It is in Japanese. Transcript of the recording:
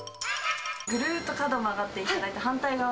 ぐるっと角曲がっていただい